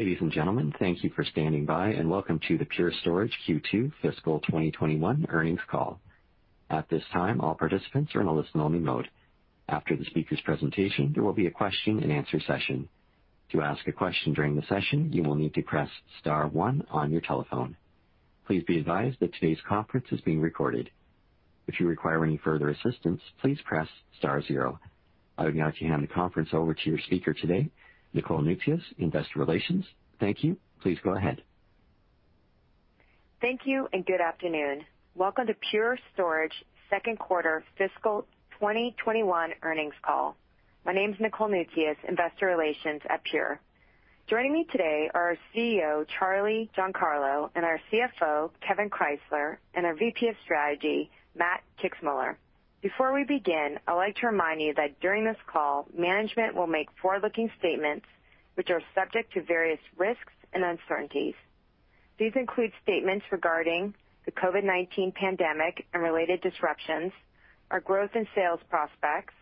Ladies and gentlemen, thank you for standing by, and welcome to the Pure Storage Q2 Fiscal 2021 Earnings Call. At this time, all participants are in a listen-only mode. After the speaker's presentation, there will be a question and answer session. To ask a question during the session, you will need to press star one on your telephone. Please be advised that today's conference is being recorded. If you require any further assistance, please press star zero. I would now hand the conference over to your speaker today, Nicole Noutsios, Investor Relations. Thank you. Please go ahead. Thank you. Good afternoon. Welcome to Pure second quarter fiscal 2021 earnings call. My name's Nicole Noutsios, Investor Relations at Pure. Joining me today are our CEO, Charlie Giancarlo, and our CFO, Kevan Krysler, and our VP of Strategy, Matt Kixmoeller. Before we begin, I'd like to remind you that during this call, management will make forward-looking statements which are subject to various risks and uncertainties. These include statements regarding the COVID-19 pandemic and related disruptions, our growth and sales prospects,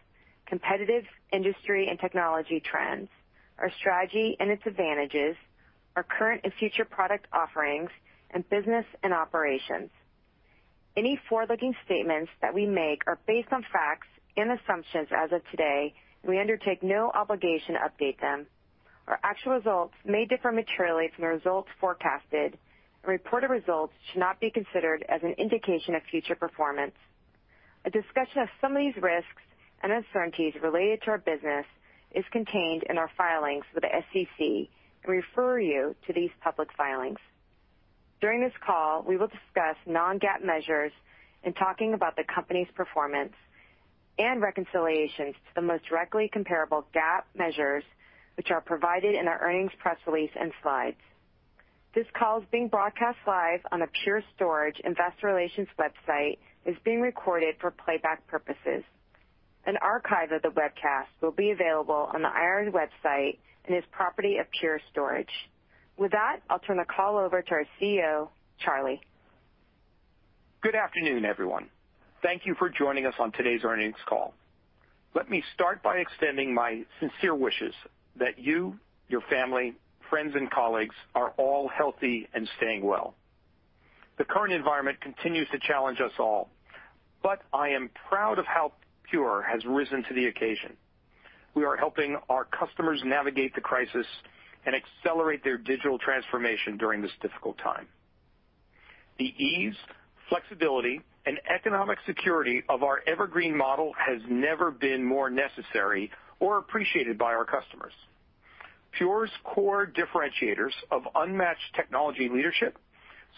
competitive industry and technology trends, our strategy and its advantages, our current and future product offerings, and business and operations. Any forward-looking statements that we make are based on facts and assumptions as of today, and we undertake no obligation to update them. Our actual results may differ materially from the results forecasted, and reported results should not be considered as an indication of future performance. A discussion of some of these risks and uncertainties related to our business is contained in our filings with the SEC and refer you to these public filings. During this call, we will discuss non-GAAP measures in talking about the company's performance and reconciliations to the most directly comparable GAAP measures, which are provided in our earnings press release and slides. This call is being broadcast live on the Pure Storage Investor Relations website and is being recorded for playback purposes. An archive of the webcast will be available on the IR website and is property of Pure Storage. With that, I'll turn the call over to our CEO, Charlie. Good afternoon, everyone. Thank you for joining us on today's earnings call. Let me start by extending my sincere wishes that you, your family, friends, and colleagues are all healthy and staying well. The current environment continues to challenge us all, but I am proud of how Pure has risen to the occasion. We are helping our customers navigate the crisis and accelerate their digital transformation during this difficult time. The ease, flexibility, and economic security of our Evergreen model has never been more necessary or appreciated by our customers. Pure's core differentiators of unmatched technology leadership,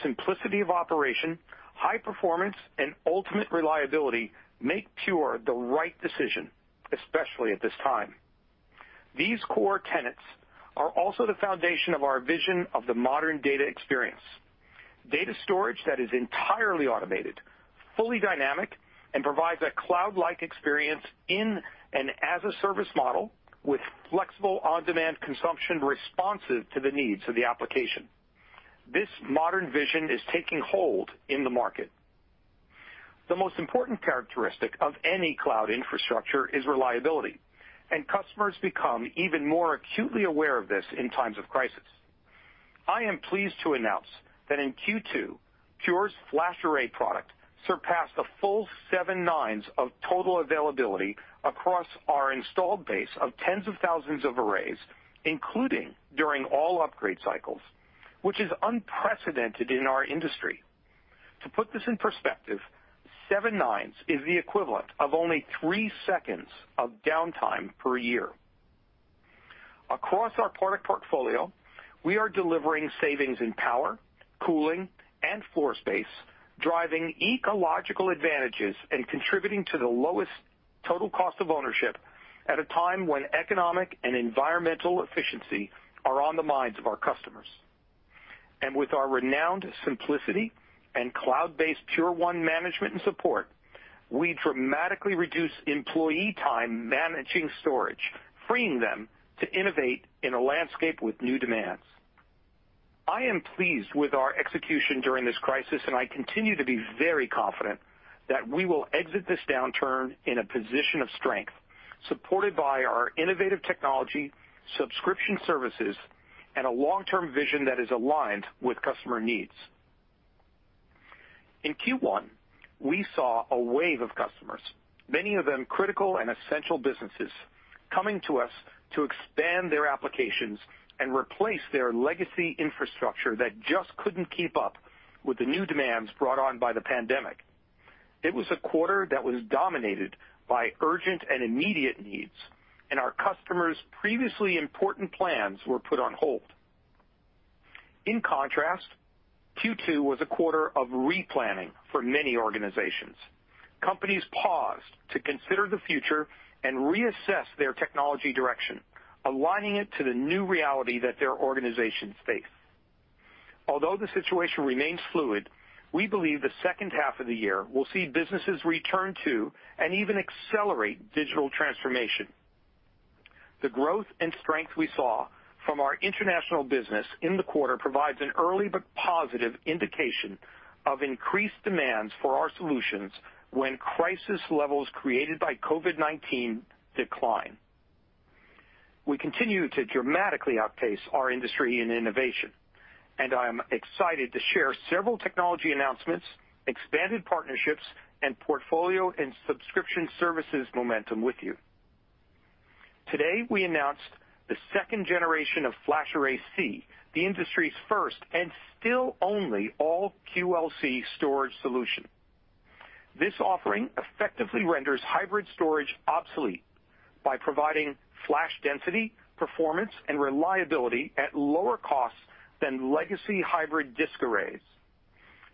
simplicity of operation, high performance, and ultimate reliability make Pure the right decision, especially at this time. These core tenets are also the foundation of our vision of the modern data experience. Data storage that is entirely automated, fully dynamic, and provides a cloud-like experience in an as-a-service model with flexible on-demand consumption responsive to the needs of the application. This modern vision is taking hold in the market. The most important characteristic of any cloud infrastructure is reliability, and customers become even more acutely aware of this in times of crisis. I am pleased to announce that in Q2, Pure's FlashArray product surpassed a full seven nines of total availability across our installed base of tens of thousands of arrays, including during all upgrade cycles, which is unprecedented in our industry. To put this in perspective, seven nines is the equivalent of only three seconds of downtime per year. Across our product portfolio, we are delivering savings in power, cooling, and floor space, driving ecological advantages and contributing to the lowest total cost of ownership at a time when economic and environmental efficiency are on the minds of our customers. With our renowned simplicity and cloud-based Pure1 management and support, we dramatically reduce employee time managing storage, freeing them to innovate in a landscape with new demands. I am pleased with our execution during this crisis, and I continue to be very confident that we will exit this downturn in a position of strength, supported by our innovative technology, subscription services, and a long-term vision that is aligned with customer needs. In Q1, we saw a wave of customers, many of them critical and essential businesses, coming to us to expand their applications and replace their legacy infrastructure that just couldn't keep up with the new demands brought on by the pandemic. It was a quarter that was dominated by urgent and immediate needs, and our customers' previously important plans were put on hold. In contrast, Q2 was a quarter of replanning for many organizations. Companies paused to consider the future and reassess their technology direction, aligning it to the new reality that their organizations face. Although the situation remains fluid, we believe the second half of the year will see businesses return to and even accelerate digital transformation. The growth and strength we saw from our international business in the quarter provides an early but positive indication of increased demands for our solutions when crisis levels created by COVID-19 decline. We continue to dramatically outpace our industry in innovation, I am excited to share several technology announcements, expanded partnerships, and portfolio and subscription services momentum with you. Today, we announced the second generation of FlashArray//C, the industry's first and still only all-QLC storage solution. This offering effectively renders hybrid storage obsolete by providing flash density, performance, and reliability at lower costs than legacy hybrid disk arrays.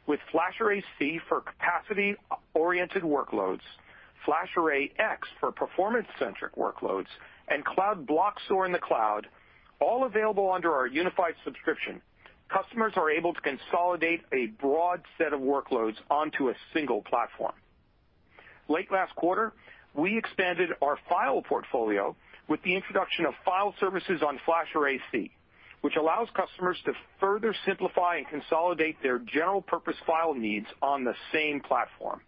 With FlashArray//C for capacity-oriented workloads, FlashArray//X for performance-centric workloads, and Cloud Block Store in the cloud, all available under our unified subscription, customers are able to consolidate a broad set of workloads onto a single platform. Late last quarter, we expanded our file portfolio with the introduction of file services on FlashArray//C, which allows customers to further simplify and consolidate their general purpose file needs on the same platform.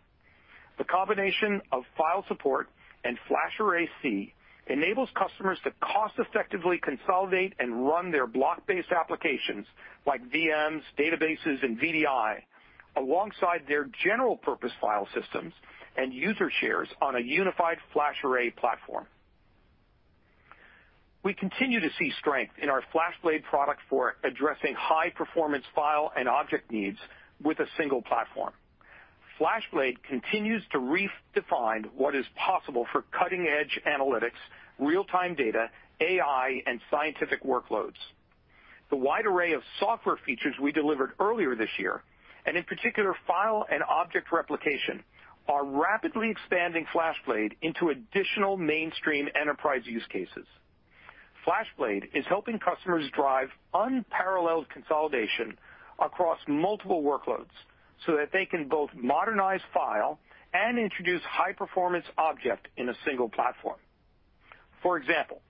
The combination of file support and FlashArray//C enables customers to cost-effectively consolidate and run their block-based applications like VMs, databases, and VDI alongside their general purpose file systems and user shares on a unified FlashArray platform. We continue to see strength in our FlashBlade product for addressing high-performance file and object needs with a single platform. FlashBlade continues to redefine what is possible for cutting-edge analytics, real-time data, AI, and scientific workloads. The wide array of software features we delivered earlier this year, and in particular, file and object replication, are rapidly expanding FlashBlade into additional mainstream enterprise use cases. FlashBlade is helping customers drive unparalleled consolidation across multiple workloads so that they can both modernize file and introduce high-performance object in a single platform. For example,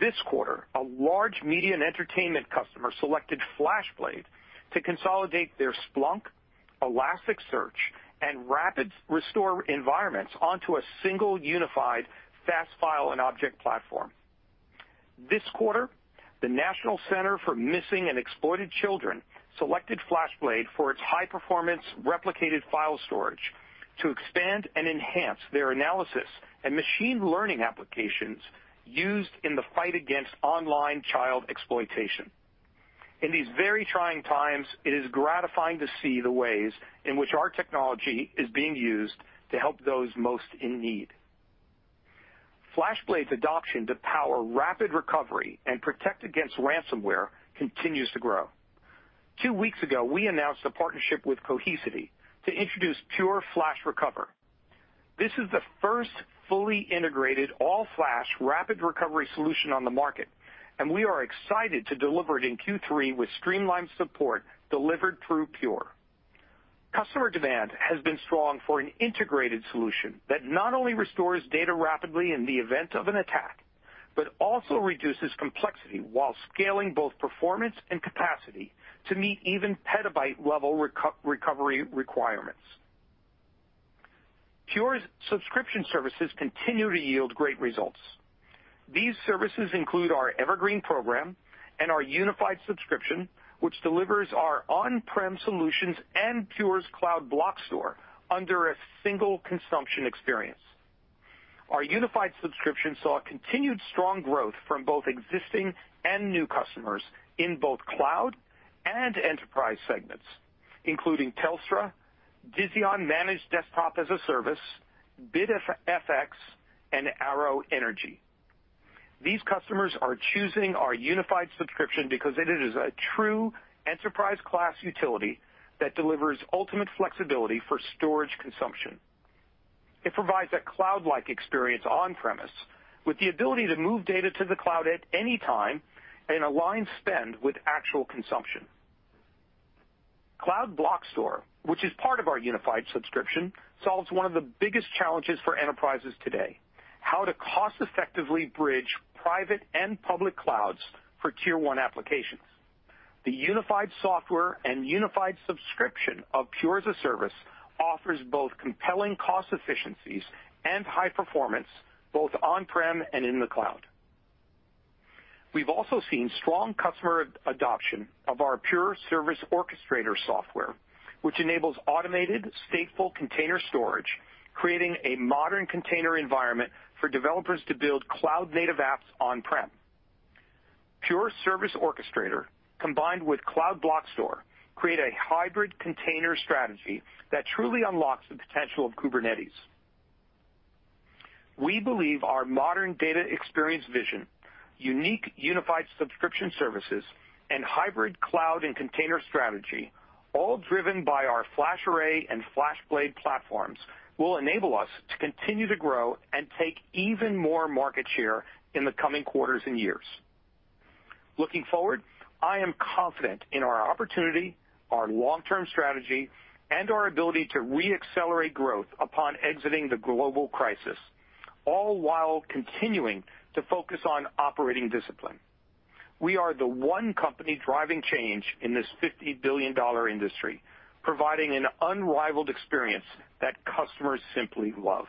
this quarter, a large media and entertainment customer selected FlashBlade to consolidate their Splunk, Elasticsearch, and Rapid Restore environments onto a single unified fast file and object platform. This quarter, the National Center for Missing & Exploited Children selected FlashBlade for its high-performance replicated file storage to expand and enhance their analysis and machine learning applications used in the fight against online child exploitation. In these very trying times, it is gratifying to see the ways in which our technology is being used to help those most in need. FlashBlade's adoption to power rapid recovery and protect against ransomware continues to grow. Two weeks ago, we announced a partnership with Cohesity to introduce Pure FlashRecover. This is the first fully integrated all-flash rapid recovery solution on the market. We are excited to deliver it in Q3 with streamlined support delivered through Pure. Customer demand has been strong for an integrated solution that not only restores data rapidly in the event of an attack, but also reduces complexity while scaling both performance and capacity to meet even petabyte-level recovery requirements. Pure's subscription services continue to yield great results. These services include our Evergreen program and our unified subscription, which delivers our on-prem solutions and Pure's Cloud Block Store under a single consumption experience. Our unified subscription saw continued strong growth from both existing and new customers in both cloud and enterprise segments, including Telstra, Dizzion Managed Desktop as a Service, BidFX, and Arrow Energy. These customers are choosing our unified subscription because it is a true enterprise-class utility that delivers ultimate flexibility for storage consumption. It provides a cloud-like experience on-premise with the ability to move data to the cloud at any time and align spend with actual consumption. Cloud Block Store, which is part of our unified subscription, solves one of the biggest challenges for enterprises today: how to cost effectively bridge private and public clouds for Tier 1 applications. The unified software and unified subscription of Pure as-a-Service offers both compelling cost efficiencies and high performance, both on-prem and in the cloud. We've also seen strong customer adoption of our Pure Service Orchestrator software, which enables automated, stateful container storage, creating a modern container environment for developers to build cloud-native apps on-prem. Pure Service Orchestrator, combined with Cloud Block Store, create a hybrid container strategy that truly unlocks the potential of Kubernetes. We believe our modern data experience vision, unique unified subscription services, and hybrid cloud and container strategy, all driven by our FlashArray and FlashBlade platforms, will enable us to continue to grow and take even more market share in the coming quarters and years. Looking forward, I am confident in our opportunity, our long-term strategy, and our ability to re-accelerate growth upon exiting the global crisis, all while continuing to focus on operating discipline. We are the one company driving change in this $50 billion industry, providing an unrivaled experience that customers simply love.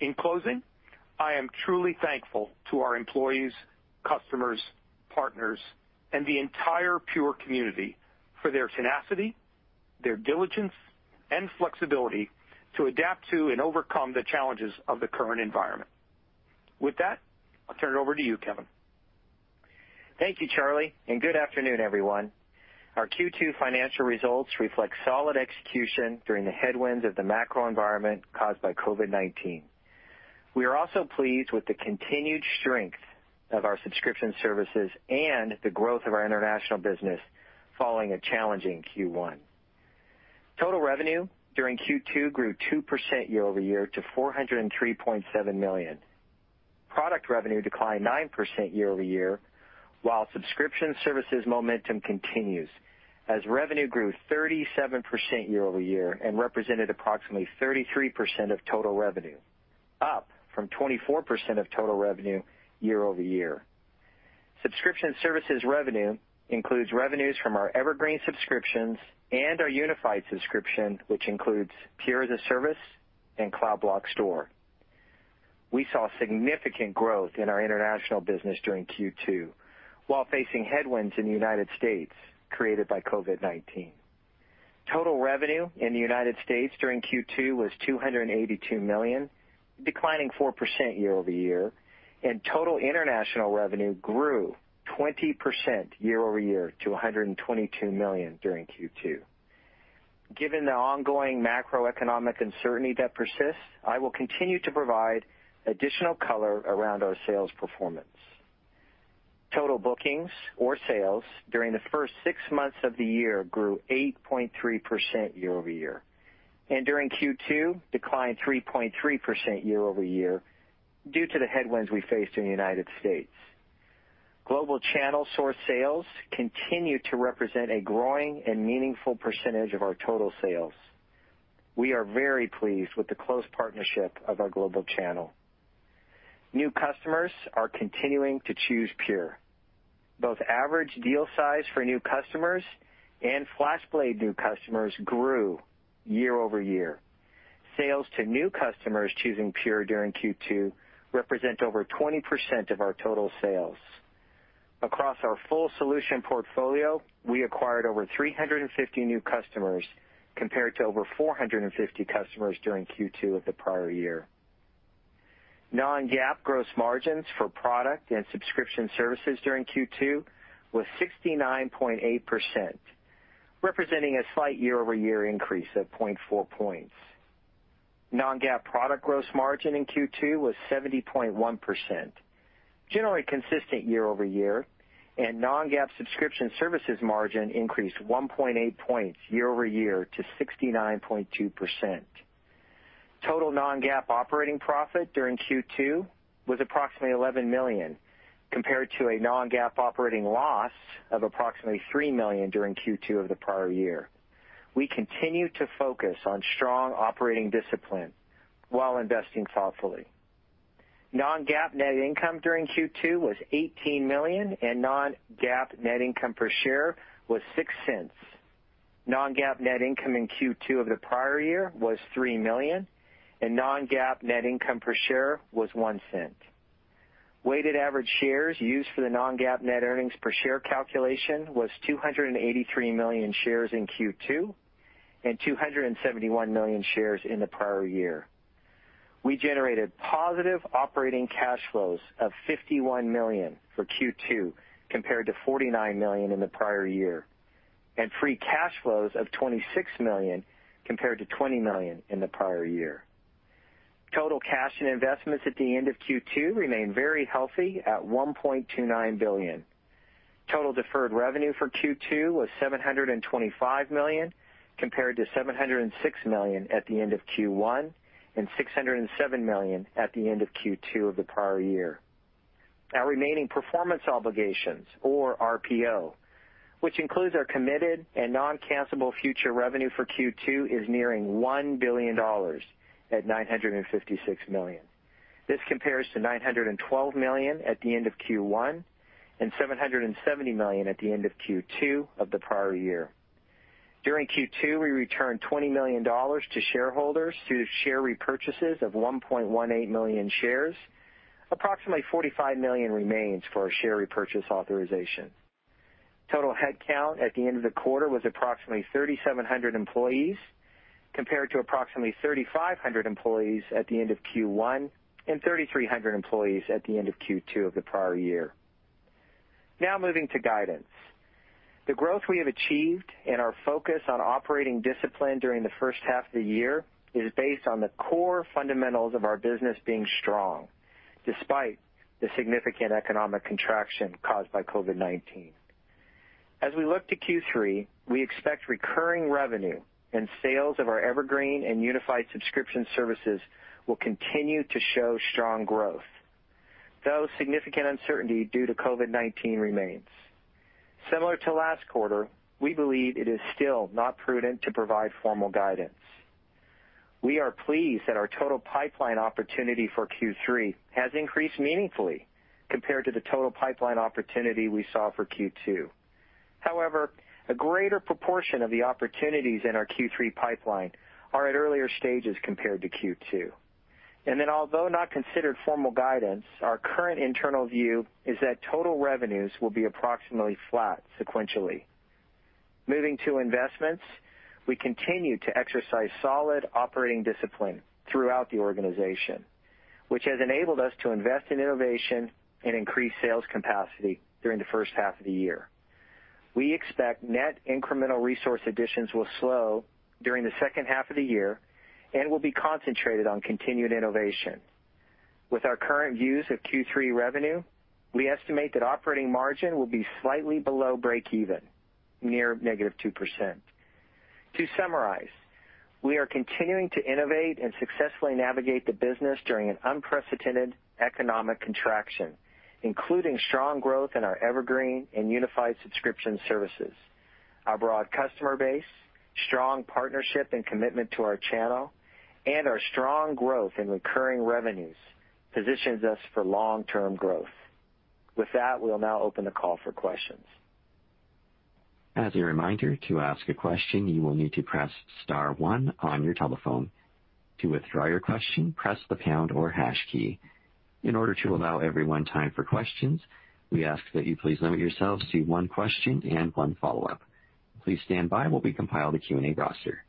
In closing, I am truly thankful to our employees, customers, partners, and the entire Pure community for their tenacity, their diligence, and flexibility to adapt to and overcome the challenges of the current environment. With that, I'll turn it over to you, Kevan. Thank you, Charlie. Good afternoon, everyone. Our Q2 financial results reflect solid execution during the headwinds of the macro environment caused by COVID-19. We are also pleased with the continued strength of our subscription services and the growth of our international business following a challenging Q1. Total revenue during Q2 grew 2% year-over-year to $403.7 million. Product revenue declined 9% year-over-year, while subscription services momentum continues as revenue grew 37% year-over-year and represented approximately 33% of total revenue, up from 24% of total revenue year-over-year. Subscription services revenue includes revenues from our Evergreen subscriptions and our unified subscription, which includes Pure as-a-Service and Cloud Block Store. We saw significant growth in our international business during Q2 while facing headwinds in the U.S. created by COVID-19. Total revenue in the U.S. during Q2 was $282 million, declining 4% year-over-year. Total international revenue grew 20% year-over-year to $122 million during Q2. Given the ongoing macroeconomic uncertainty that persists, I will continue to provide additional color around our sales performance. Total bookings or sales during the first six months of the year grew 8.3% year-over-year. During Q2, declined 3.3% year-over-year due to the headwinds we faced in the U.S. Global channel source sales continue to represent a growing and meaningful percentage of our total sales. We are very pleased with the close partnership of our global channel. New customers are continuing to choose Pure. Both average deal size for new customers and FlashBlade new customers grew year-over-year. Sales to new customers choosing Pure during Q2 represent over 20% of our total sales. Across our full solution portfolio, we acquired over 350 new customers, compared to over 450 customers during Q2 of the prior year. Non-GAAP gross margins for product and subscription services during Q2 was 69.8%, representing a slight year-over-year increase of 0.4 points. Non-GAAP product gross margin in Q2 was 70.1%, generally consistent year-over-year, and non-GAAP subscription services margin increased 1.8 points year-over-year to 69.2%. Total non-GAAP operating profit during Q2 was approximately $11 million, compared to a non-GAAP operating loss of approximately $3 million during Q2 of the prior year. We continue to focus on strong operating discipline while investing thoughtfully. Non-GAAP net income during Q2 was $18 million, and non-GAAP net income per share was $0.06. Non-GAAP net income in Q2 of the prior year was $3 million, and non-GAAP net income per share was $0.01. Weighted average shares used for the non-GAAP net earnings per share calculation was 283 million shares in Q2 and 271 million shares in the prior year. We generated positive operating cash flows of $51 million for Q2 compared to $49 million in the prior year, and free cash flows of $26 million compared to $20 million in the prior year. Total cash and investments at the end of Q2 remain very healthy at $1.29 billion. Total deferred revenue for Q2 was $725 million, compared to $706 million at the end of Q1 and $607 million at the end of Q2 of the prior year. Our remaining performance obligations or RPO, which includes our committed and non-cancelable future revenue for Q2, is nearing $1 billion at $956 million. This compares to $912 million at the end of Q1 and $770 million at the end of Q2 of the prior year. During Q2, we returned $20 million to shareholders through share repurchases of 1.18 million shares. Approximately $45 million remains for our share repurchase authorization. Total head count at the end of the quarter was approximately 3,700 employees, compared to approximately 3,500 employees at the end of Q1 and 3,300 employees at the end of Q2 of the prior year. Moving to guidance. The growth we have achieved and our focus on operating discipline during the first half of the year is based on the core fundamentals of our business being strong despite the significant economic contraction caused by COVID-19. As we look to Q3, we expect recurring revenue and sales of our Evergreen and unified subscription services will continue to show strong growth, though significant uncertainty due to COVID-19 remains. Similar to last quarter, we believe it is still not prudent to provide formal guidance. We are pleased that our total pipeline opportunity for Q3 has increased meaningfully compared to the total pipeline opportunity we saw for Q2. However, a greater proportion of the opportunities in our Q3 pipeline are at earlier stages compared to Q2. Although not considered formal guidance, our current internal view is that total revenues will be approximately flat sequentially. Moving to investments, we continue to exercise solid operating discipline throughout the organization, which has enabled us to invest in innovation and increase sales capacity during the first half of the year. We expect net incremental resource additions will slow during the second half of the year and will be concentrated on continued innovation. With our current views of Q3 revenue, we estimate that operating margin will be slightly below break even, near -2%. To summarize, we are continuing to innovate and successfully navigate the business during an unprecedented economic contraction, including strong growth in our Evergreen and unified subscription services. Our broad customer base, strong partnership and commitment to our channel, and our strong growth in recurring revenues positions us for long-term growth. With that, we will now open the call for questions. As a reminder, to ask a question, you will need to press star one on your telephone. To withdraw your question, press the pound or hash key. In order to allow everyone time for questions, we ask that you please limit yourselves to one question and one follow-up. Please stand by while we compile the Q&A roster.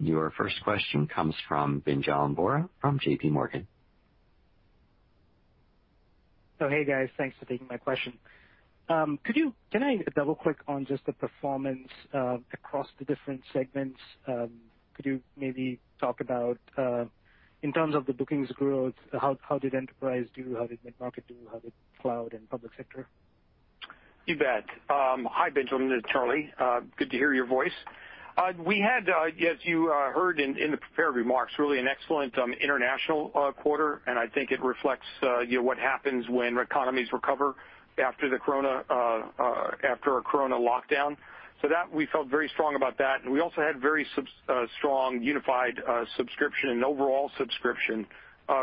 Your first question comes from Pinjalim Bora from JPMorgan. Hey, guys. Thanks for taking my question. Can I double-click on just the performance across the different segments? Could you maybe talk about, in terms of the bookings growth, how did enterprise do, how did mid-market do, how did cloud and public sector? You bet. Hi, Pinjalim. This is Charlie. Good to hear your voice. We had, as you heard in the prepared remarks, really an excellent international quarter, and I think it reflects what happens when economies recover after a corona lockdown. That, we felt very strong about that. We also had very strong unified subscription and overall subscription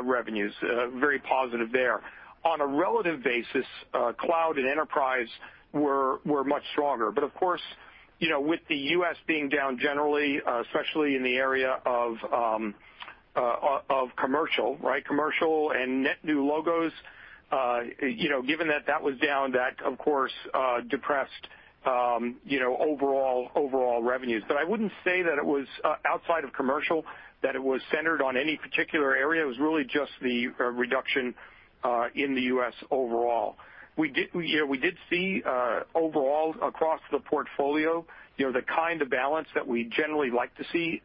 revenues. Very positive there. On a relative basis, cloud and enterprise were much stronger. Of course, with the U.S. being down generally, especially in the area of commercial and net new logos, given that that was down, that of course depressed overall revenues. I wouldn't say that it was outside of commercial, that it was centered on any particular area. It was really just the reduction in the U.S. overall. We did see, overall, across the portfolio, the kind of balance that we generally like to see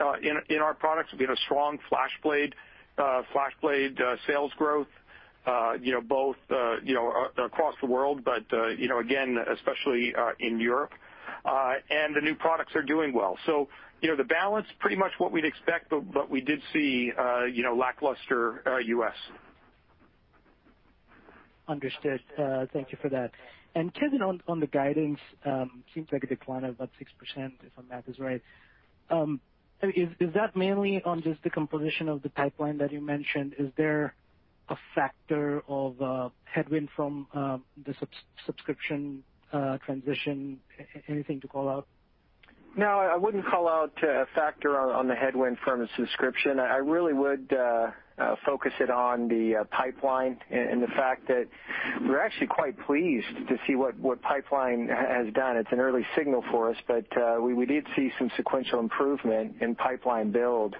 in our products. We had a strong FlashBlade sales growth both across the world, but again, especially in Europe. The new products are doing well. The balance, pretty much what we'd expect, but we did see lackluster U.S. Understood. Thank you for that. Kevan, on the guidance, seems like a decline of about 6%, if my math is right. Is that mainly on just the composition of the pipeline that you mentioned? Is there a factor of headwind from the subscription transition? Anything to call out? I wouldn't call out a factor on the headwind from a subscription. I really would focus it on the pipeline and the fact that we're actually quite pleased to see what pipeline has done. It's an early signal for us, but we did see some sequential improvement in pipeline build,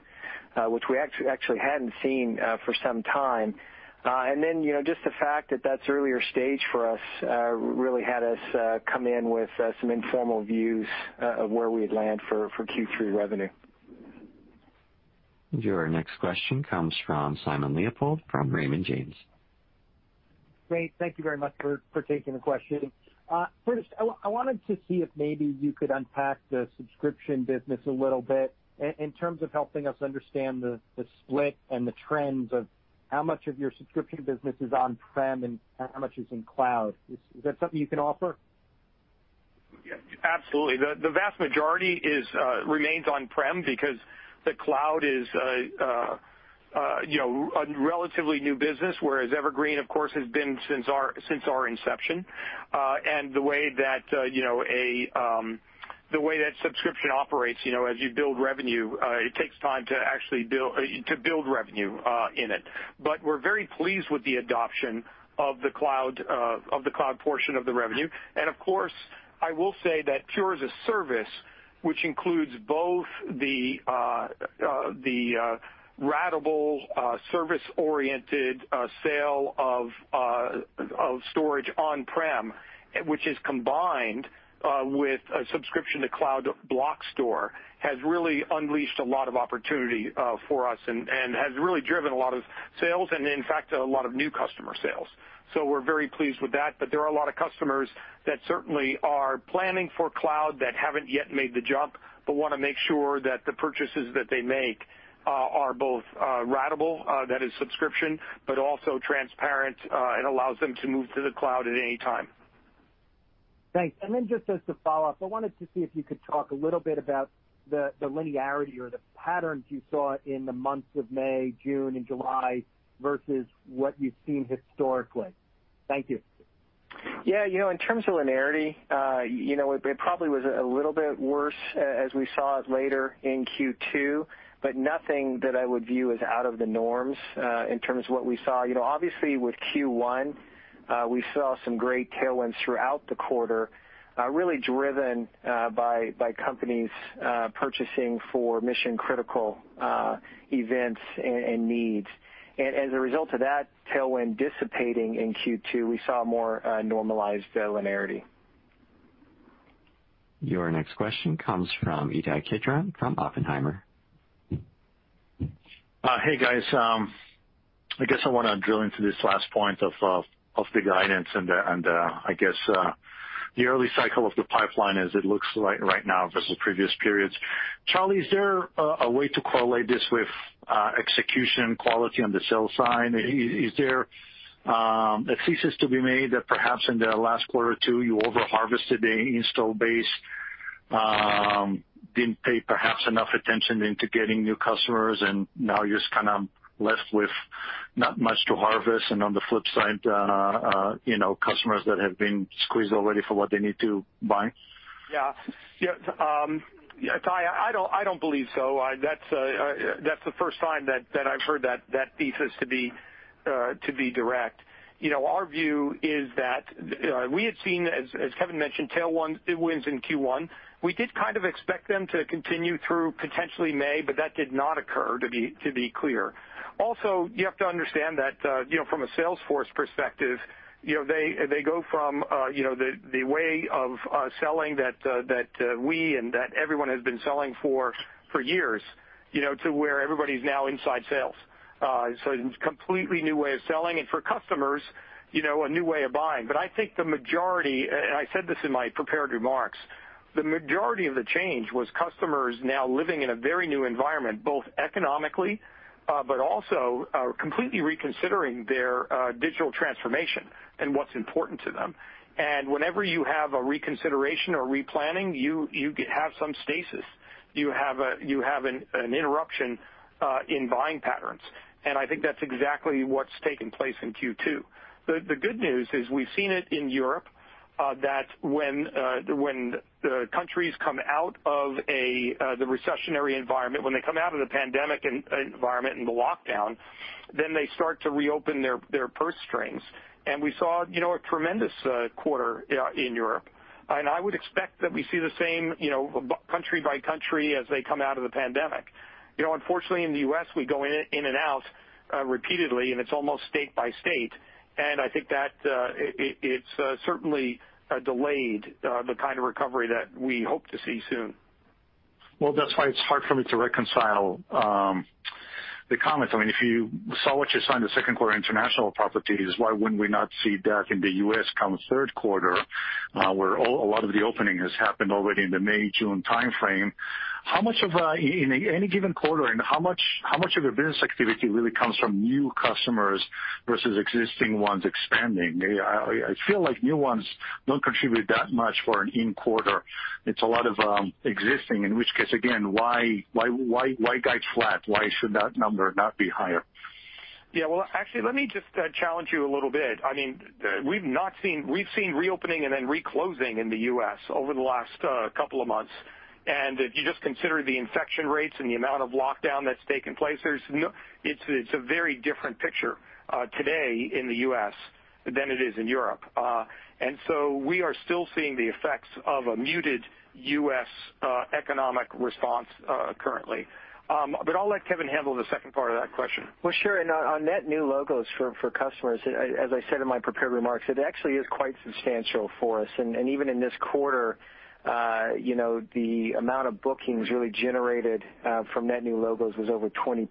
which we actually hadn't seen for some time. Just the fact that that's earlier stage for us really had us come in with some informal views of where we'd land for Q3 revenue. Your next question comes from Simon Leopold from Raymond James. Great. Thank you very much for taking the question. First, I wanted to see if maybe you could unpack the subscription business a little bit in terms of helping us understand the split and the trends of how much of your subscription business is on-prem and how much is in cloud. Is that something you can offer? Yeah, absolutely. The vast majority remains on-prem because the cloud is a relatively new business, whereas Evergreen, of course, has been since our inception. The way that subscription operates, as you build revenue, it takes time to actually build revenue in it. We're very pleased with the adoption of the cloud portion of the revenue. Of course, I will say that Pure as-a-Service, which includes both the ratable service-oriented sale of storage on-prem, which is combined with a subscription to Cloud Block Store, has really unleashed a lot of opportunity for us and has really driven a lot of sales and, in fact, a lot of new customer sales. We're very pleased with that, but there are a lot of customers that certainly are planning for cloud that haven't yet made the jump, but want to make sure that the purchases that they make are both ratable, that is subscription, but also transparent and allows them to move to the cloud at any time. Thanks. Just as to follow-up, I wanted to see if you could talk a little bit about the linearity or the patterns you saw in the months of May, June, and July versus what you've seen historically. Thank you. Yeah. In terms of linearity, it probably was a little bit worse, as we saw it later in Q2, but nothing that I would view as out of the norms, in terms of what we saw. Obviously with Q1, we saw some great tailwinds throughout the quarter, really driven by companies purchasing for mission-critical events and needs. As a result of that tailwind dissipating in Q2, we saw a more normalized linearity. Your next question comes from Ittai Kidron from Oppenheimer. Hey, guys. I guess I want to drill into this last point of the guidance and, I guess, the early cycle of the pipeline as it looks like right now versus previous periods. Charlie, is there a way to correlate this with execution quality on the sales side? Is there a thesis to be made that perhaps in the last quarter or two you over-harvested the install base, didn't pay perhaps enough attention into getting new customers, and now you're just kind of left with not much to harvest, and on the flip side, customers that have been squeezed already for what they need to buy? Yeah. Ittai, I don't believe so. That's the first time that I've heard that thesis, to be direct. Our view is that we had seen, as Kevan mentioned, tailwinds in Q1. We did kind of expect them to continue through potentially May, but that did not occur, to be clear. You have to understand that, from a sales force perspective, they go from the way of selling that we and that everyone has been selling for years, to where everybody's now inside sales. It's a completely new way of selling, and for customers, a new way of buying. I think the majority, and I said this in my prepared remarks, the majority of the change was customers now living in a very new environment, both economically, but also completely reconsidering their digital transformation and what's important to them. Whenever you have a reconsideration or replanning, you have some stasis. You have an interruption in buying patterns, and I think that's exactly what's taken place in Q2. The good news is we've seen it in Europe, that when the countries come out of the recessionary environment, when they come out of the pandemic environment and the lockdown, then they start to reopen their purse strings. We saw a tremendous quarter in Europe. I would expect that we see the same country by country as they come out of the pandemic. Unfortunately, in the U.S., we go in and out repeatedly, and it's almost state by state, and I think that it's certainly delayed the kind of recovery that we hope to see soon. That's why it's hard for me to reconcile the comments. If you saw what you saw in the second quarter international properties, why would we not see that in the U.S. come third quarter? Where a lot of the opening has happened already in the May, June timeframe. In any given quarter, and how much of your business activity really comes from new customers versus existing ones expanding? I feel like new ones don't contribute that much for an in quarter. It's a lot of existing, in which case, again, why guide flat? Why should that number not be higher? Well, actually, let me just challenge you a little bit. We've seen reopening and then reclosing in the U.S. over the last couple of months, if you just consider the infection rates and the amount of lockdown that's taken place, it's a very different picture today in the U.S. than it is in Europe. We are still seeing the effects of a muted U.S. economic response currently. I'll let Kevan handle the second part of that question. Well, sure. Our net new logos for customers, as I said in my prepared remarks, it actually is quite substantial for us. Even in this quarter, the amount of bookings really generated from net new logos was over 20%,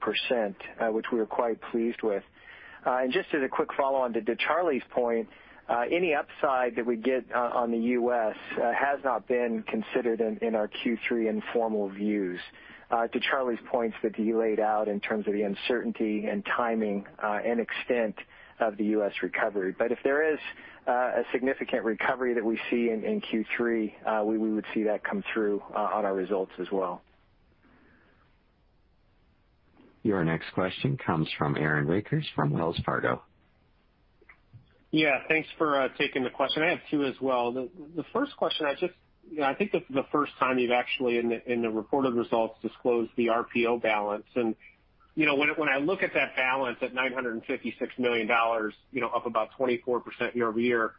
which we were quite pleased with. Just as a quick follow-on to Charlie's point, any upside that we get on the U.S. has not been considered in our Q3 informal views to Charlie's points that he laid out in terms of the uncertainty and timing and extent of the U.S. recovery. If there is a significant recovery that we see in Q3, we would see that come through on our results as well. Your next question comes from Aaron Rakers from Wells Fargo. Yeah. Thanks for taking the question. I have two as well. The first question, I think this is the first time you've actually, in the reported results, disclosed the RPO balance, and when I look at that balance at $956 million, up about 24% year-over-year,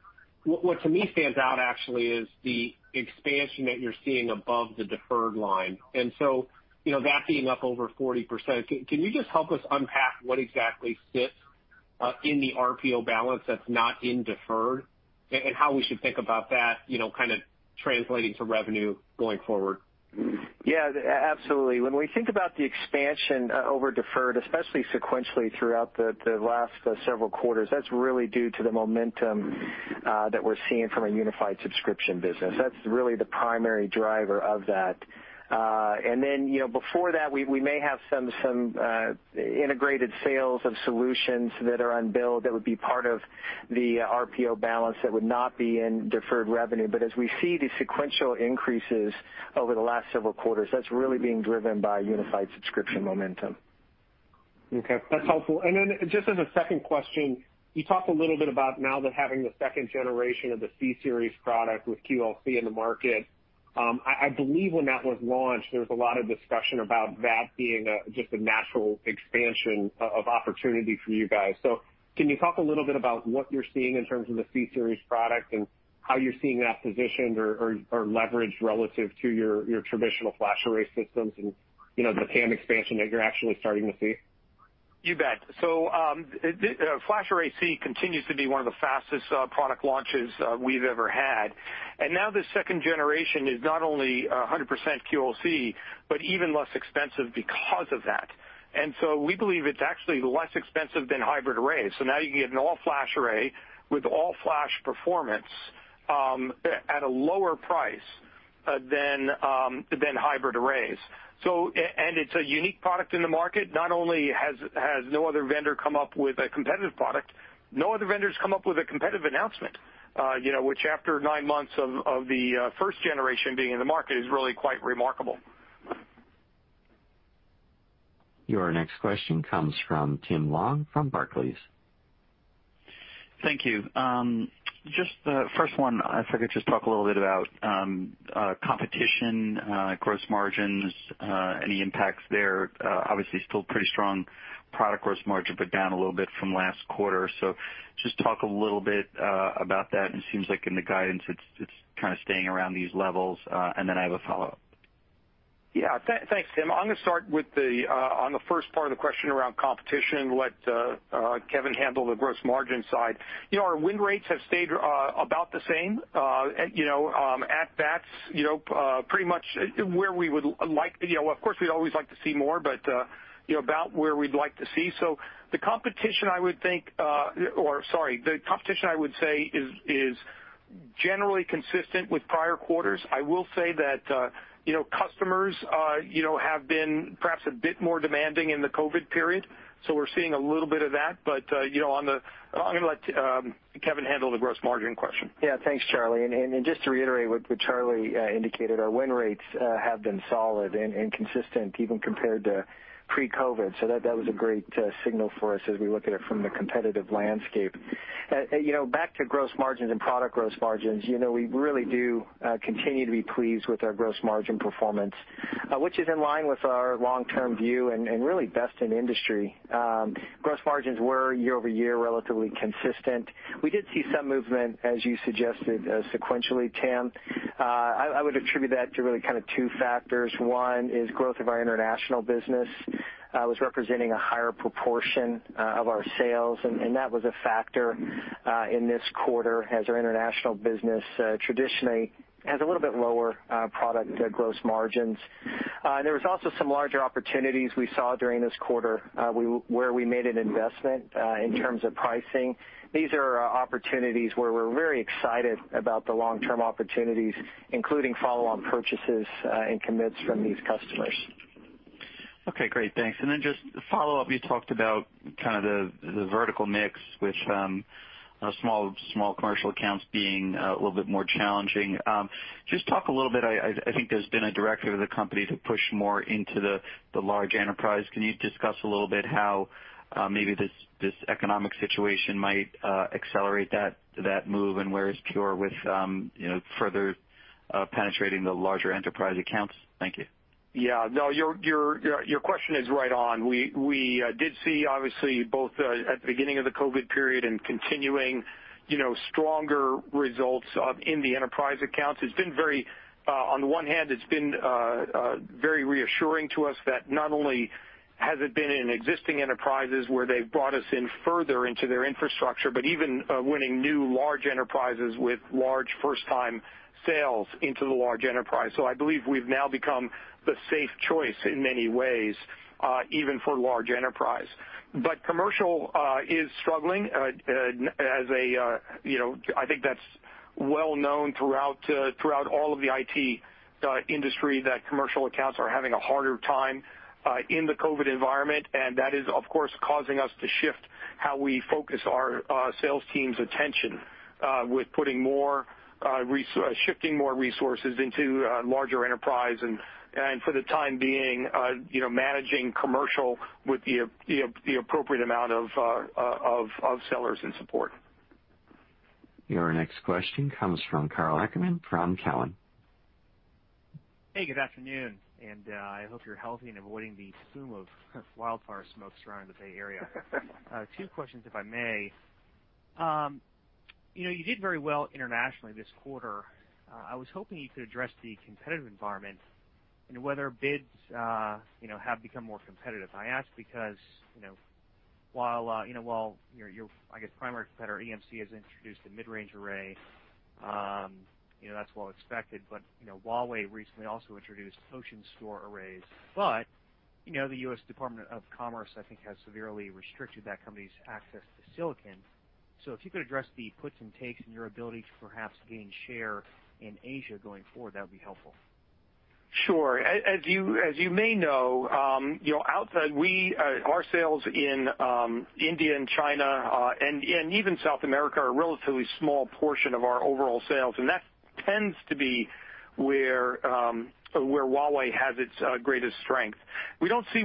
what to me stands out actually is the expansion that you're seeing above the deferred line. That being up over 40%, can you just help us unpack what exactly sits in the RPO balance that's not in deferred, and how we should think about that kind of translating to revenue going forward? Yeah. Absolutely. When we think about the expansion over deferred, especially sequentially throughout the last several quarters, that's really due to the momentum that we're seeing from a unified subscription business. That's really the primary driver of that. Before that, we may have some integrated sales of solutions that are on bill that would be part of the RPO balance that would not be in deferred revenue. As we see the sequential increases over the last several quarters, that's really being driven by unified subscription momentum. Okay, that's helpful. Then just as a second question, you talked a little bit about now that having the second generation of the C-series product with QLC in the market. I believe when that was launched, there was a lot of discussion about that being just a natural expansion of opportunity for you guys. Can you talk a little bit about what you're seeing in terms of the C-series product and how you're seeing that positioned or leveraged relative to your traditional FlashArray systems and the TAM expansion that you're actually starting to see? You bet. FlashArray//C continues to be one of the fastest product launches we've ever had. Now this second generation is not only 100% QLC, but even less expensive because of that. We believe it's actually less expensive than hybrid arrays. Now you can get an all-flash array with all-flash performance at a lower price than hybrid arrays. It's a unique product in the market. Not only has no other vendor come up with a competitive product, no other vendor's come up with a competitive announcement, which after nine months of the first generation being in the market is really quite remarkable. Your next question comes from Tim Long from Barclays. Thank you. Just the first one, if I could just talk a little bit about competition, gross margins, any impacts there. Obviously still pretty strong product gross margin, but down a little bit from last quarter, so just talk a little bit about that. It seems like in the guidance, it's kind of staying around these levels. I have a follow-up. Thanks, Tim. I'm going to start on the first part of the question around competition and let Kevan handle the gross margin side. Our win rates have stayed about the same, at bats pretty much where we would like. Of course, we'd always like to see more, but about where we'd like to see. The competition, I would say, is generally consistent with prior quarters. I will say that customers have been perhaps a bit more demanding in the COVID period, we're seeing a little bit of that. I'm going to let Kevan handle the gross margin question. Yeah, thanks, Charlie. Just to reiterate what Charlie indicated, our win rates have been solid and consistent even compared to pre-COVID. That was a great signal for us as we look at it from the competitive landscape. Back to gross margins and product gross margins, we really do continue to be pleased with our gross margin performance, which is in line with our long-term view and really best in industry. Gross margins were year-over-year relatively consistent. We did see some movement as you suggested sequentially, Tim. I would attribute that to really kind of two factors. One is growth of our international business was representing a higher proportion of our sales, and that was a factor in this quarter as our international business traditionally has a little bit lower product gross margins. There was also some larger opportunities we saw during this quarter where we made an investment in terms of pricing. These are opportunities where we're very excited about the long-term opportunities, including follow-on purchases and commits from these customers. Okay, great. Thanks. Just follow-up, you talked about kind of the vertical mix with small commercial accounts being a little bit more challenging. Just talk a little bit, I think there's been a directive of the company to push more into the large enterprise. Can you discuss a little bit how maybe this economic situation might accelerate that move and where is Pure with further penetrating the larger enterprise accounts? Thank you. Your question is right on. We did see, obviously, both at the beginning of the COVID-19 period and continuing stronger results in the enterprise accounts. On one hand, it's been very reassuring to us that not only has it been in existing enterprises where they've brought us in further into their infrastructure, but even winning new large enterprises with large first-time sales into the large enterprise. I believe we've now become the safe choice in many ways even for large enterprise. Commercial is struggling. I think that's well known throughout all of the IT industry that commercial accounts are having a harder time in the COVID-19 environment, and that is, of course, causing us to shift how we focus our sales team's attention with shifting more resources into larger enterprise, and for the time being managing commercial with the appropriate amount of sellers and support. Your next question comes from Karl Ackerman from Cowen. Hey, good afternoon. I hope you're healthy and avoiding the fume of wildfire smoke surrounding the Bay Area. Two questions, if I may. You did very well internationally this quarter. I was hoping you could address the competitive environment and whether bids have become more competitive. I ask because while your, I guess, primary competitor, EMC, has introduced a mid-range array that's well expected, Huawei recently also introduced OceanStor arrays. The U.S. Department of Commerce, I think, has severely restricted that company's access to silicon. If you could address the puts and takes in your ability to perhaps gain share in Asia going forward, that would be helpful. Sure. As you may know, our sales in India and China and even South America are a relatively small portion of our overall sales, and that tends to be where Huawei has its greatest strength. We do see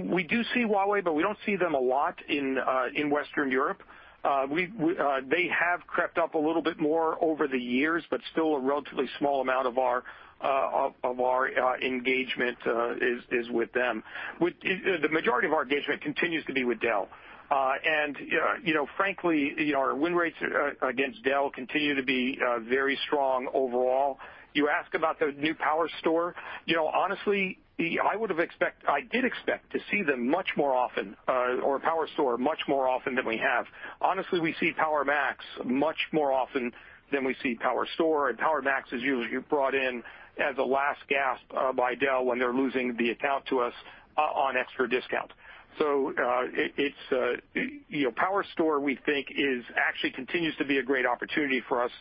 Huawei, but we don't see them a lot in Western Europe. They have crept up a little bit more over the years, but still a relatively small amount of our engagement is with them. The majority of our engagement continues to be with Dell. Frankly, our win rates against Dell continue to be very strong overall. You ask about the new PowerStore. Honestly, I did expect to see them much more often, or PowerStore much more often than we have. Honestly, we see PowerMax much more often than we see PowerStore. PowerMax is usually brought in as a last gasp by Dell when they're losing the account to us on extra discount. PowerStore, we think, actually continues to be a great opportunity for us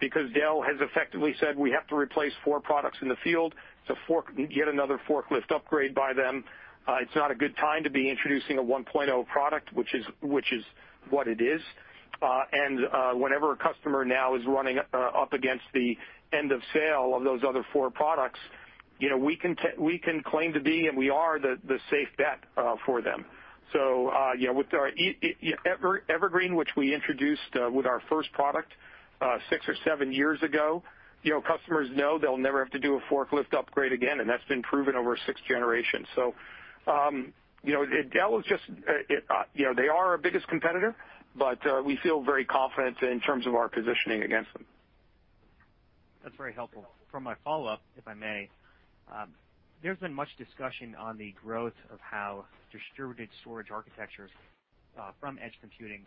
because Dell has effectively said we have to replace four products in the field. It's yet another forklift upgrade by them. It's not a good time to be introducing a 1.0 product, which is what it is. Whenever a customer now is running up against the end of sale of those other four products, we can claim to be, and we are the safe bet for them. With Evergreen, which we introduced with our first product six or seven years ago, customers know they'll never have to do a forklift upgrade again, and that's been proven over six generations. Dell, they are our biggest competitor, but we feel very confident in terms of our positioning against them. That's very helpful. For my follow-up, if I may, there's been much discussion on the growth of how distributed storage architectures from edge computing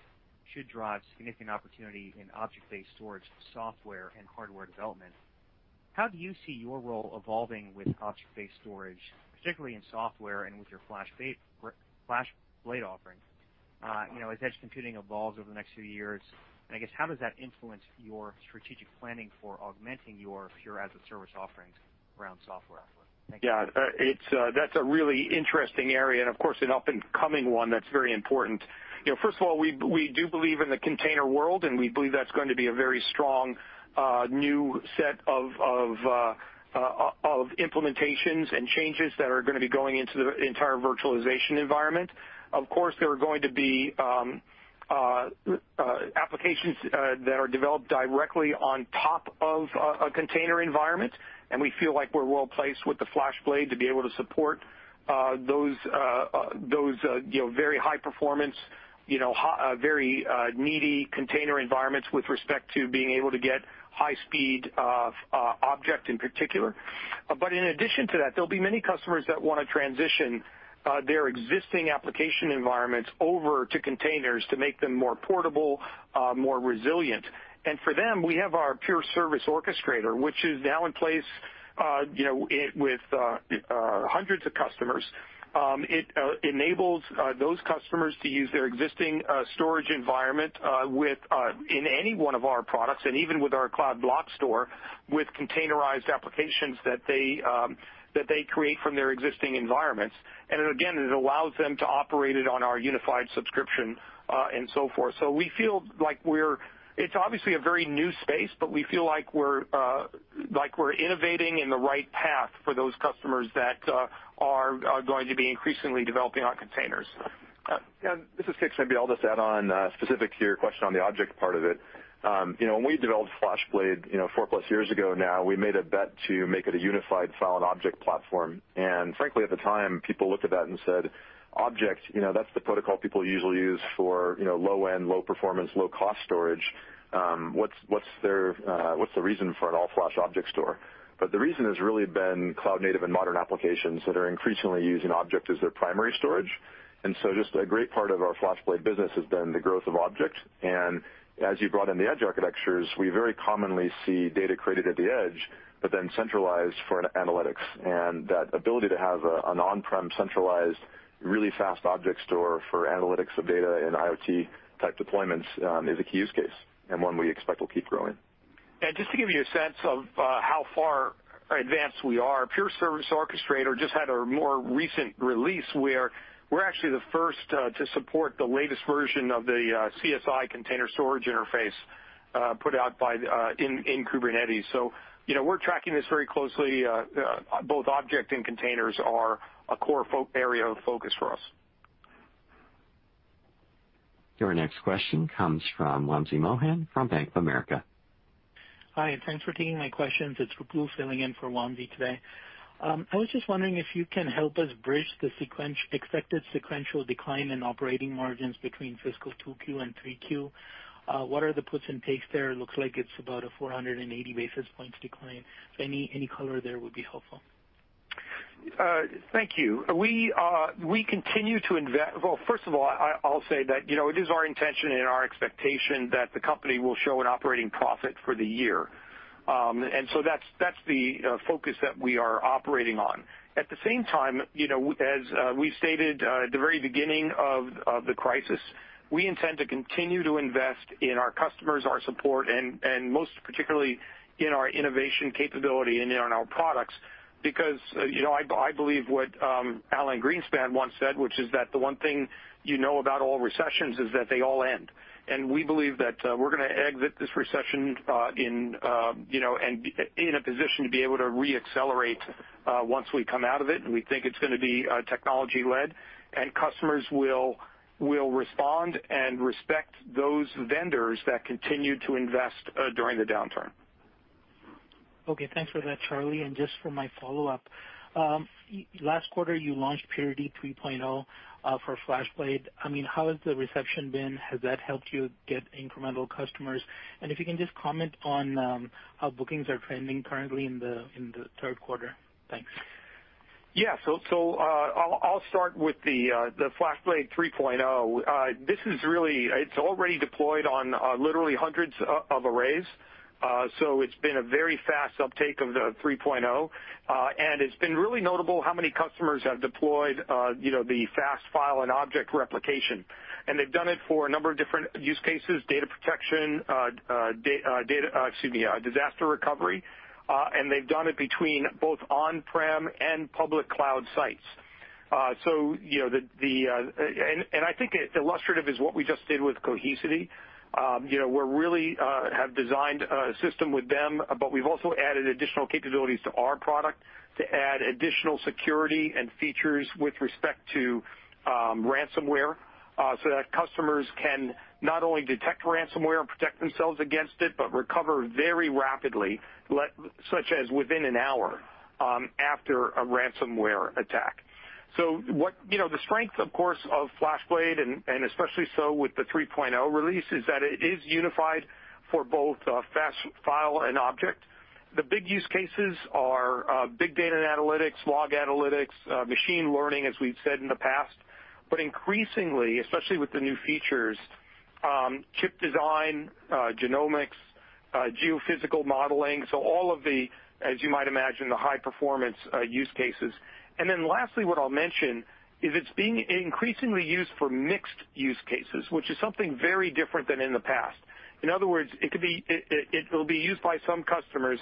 should drive significant opportunity in object-based storage software and hardware development. How do you see your role evolving with object-based storage, particularly in software and with your FlashBlade offering as edge computing evolves over the next few years? How does that influence your strategic planning for augmenting your Pure as-a-Service offerings around software? Thank you. Yeah. That's a really interesting area, and of course, an up-and-coming one that's very important. First of all, we do believe in the container world. We believe that's going to be a very strong new set of implementations and changes that are going to be going into the entire virtualization environment. Of course, there are going to be applications that are developed directly on top of a container environment. We feel like we're well-placed with the FlashBlade to be able to support those very high-performance, very needy container environments with respect to being able to get high speed of object in particular. In addition to that, there'll be many customers that want to transition their existing application environments over to containers to make them more portable, more resilient. For them, we have our Pure Service Orchestrator, which is now in place with hundreds of customers. It enables those customers to use their existing storage environment in any one of our products, and even with our Cloud Block Store, with containerized applications that they create from their existing environments. Again, it allows them to operate it on our unified subscription and so forth. It's obviously a very new space, but we feel like we're innovating in the right path for those customers that are going to be increasingly developing on containers. Yeah. This is Matt Kixmoeller. I'll just add on specific to your question on the object part of it. When we developed FlashBlade, four-plus years ago now, we made a bet to make it a unified file and object platform. Frankly, at the time, people looked at that and said, "Object, that's the protocol people usually use for low-end, low-performance, low-cost storage. What's the reason for an all-flash object store?" The reason has really been cloud-native and modern applications that are increasingly using object as their primary storage. Just a great part of our FlashBlade business has been the growth of object. As you brought in the edge architectures, we very commonly see data created at the edge, but then centralized for analytics. That ability to have an on-prem centralized really fast object store for analytics of data and IoT-type deployments is a key use case, and one we expect will keep growing. Just to give you a sense of how far advanced we are, Pure Service Orchestrator just had a more recent release where we're actually the first to support the latest version of the CSI container storage interface put out in Kubernetes. We're tracking this very closely. Both object and containers are a core area of focus for us. Your next question comes from Wamsi Mohan from Bank of America. Hi, thanks for taking my questions. It's Ruplu filling in for Wamsi today. I was just wondering if you can help us bridge the expected sequential decline in operating margins between fiscal 2Q and 3Q. What are the puts and takes there? It looks like it's about a 480 basis points decline. Any color there would be helpful. Thank you. First of all, I'll say that it is our intention and our expectation that the company will show an operating profit for the year. That's the focus that we are operating on. At the same time as we stated at the very beginning of the crisis, we intend to continue to invest in our customers, our support, and most particularly in our innovation capability and in our products. I believe what Alan Greenspan once said, which is that the one thing you know about all recessions is that they all end. We believe that we're going to exit this recession in a position to be able to re-accelerate once we come out of it, and we think it's going to be technology-led. Customers will respond and respect those vendors that continue to invest during the downturn. Okay, thanks for that, Charlie. Just for my follow-up, last quarter, you launched Purity//FB 3.0 for FlashBlade. How has the reception been? Has that helped you get incremental customers? If you can just comment on how bookings are trending currently in the third quarter. Thanks. Yeah. I'll start with the FlashBlade 3.0. It's already deployed on literally hundreds of arrays, so it's been a very fast uptake of the 3.0. It's been really notable how many customers have deployed the fast file and object replication, they've done it for a number of different use cases, data protection, excuse me, disaster recovery. They've done it between both on-prem and public cloud sites. I think illustrative is what we just did with Cohesity. We really have designed a system with them, but we've also added additional capabilities to our product to add additional security and features with respect to ransomware, so that customers can not only detect ransomware and protect themselves against it, but recover very rapidly, such as within an hour after a ransomware attack. The strength, of course, of FlashBlade, and especially so with the 3.0 release, is that it is unified for both fast file and object. The big use cases are big data and analytics, log analytics, machine learning, as we've said in the past, but increasingly, especially with the new features, chip design, genomics, geophysical modeling, so all of the, as you might imagine, the high-performance use cases. Lastly, what I'll mention is it's being increasingly used for mixed use cases, which is something very different than in the past. In other words, it'll be used by some customers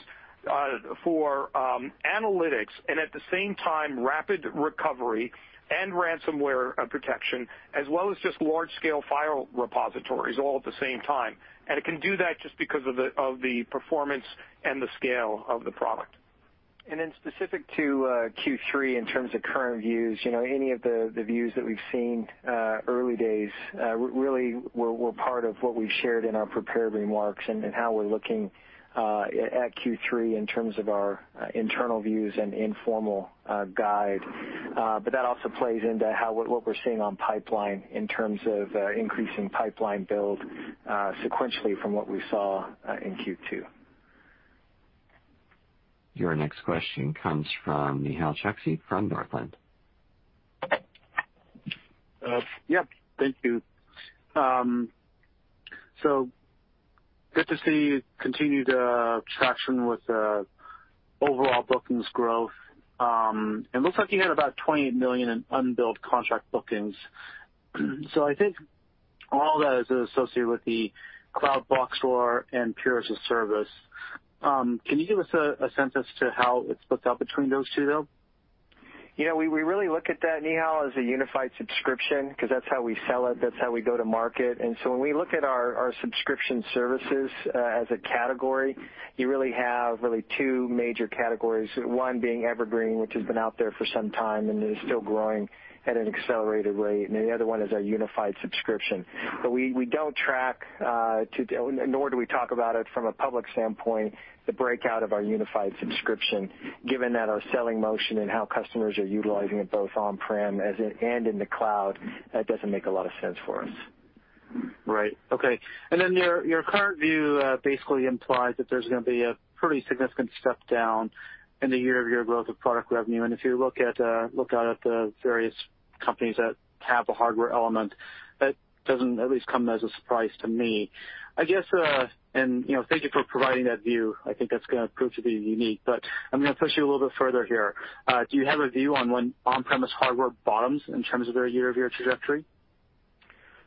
for analytics and at the same time, rapid recovery and ransomware protection, as well as just large-scale file repositories all at the same time. It can do that just because of the performance and the scale of the product. Specific to Q3 in terms of current views, any of the views that we've seen early days really were part of what we've shared in our prepared remarks and how we're looking at Q3 in terms of our internal views and informal guide. That also plays into what we're seeing on pipeline in terms of increasing pipeline build sequentially from what we saw in Q2. Your next question comes from Nehal Chokshi from Northland. Thank you. Good to see continued traction with overall bookings growth. It looks like you had about $28 million in unbilled contract bookings. I think all that is associated with the Cloud Block Store and Pure as-a-Service. Can you give us a sense as to how it's split up between those two, though? We really look at that, Nehal, as a unified subscription, because that's how we sell it, that's how we go to market. When we look at our subscription services as a category, you really have two major categories. One being Evergreen, which has been out there for some time and is still growing at an accelerated rate, and the other one is our unified subscription. We don't track, nor do we talk about it from a public standpoint, the breakout of our unified subscription, given that our selling motion and how customers are utilizing it both on-prem and in the cloud, that doesn't make a lot of sense for us. Right. Okay. Your current view basically implies that there's going to be a pretty significant step-down in the year-over-year growth of product revenue. If you look out at the various companies that have a hardware element, that doesn't at least come as a surprise to me. Thank you for providing that view. I think that's going to prove to be unique, but I'm going to push you a little bit further here. Do you have a view on when on-premise hardware bottoms in terms of their year-over-year trajectory?